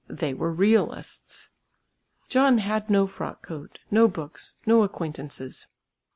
They were realists. John had no frock coat, no books, no acquaintances.